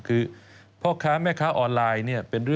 คือพ่อค้าแม่ค้าออนไลน์เนี่ย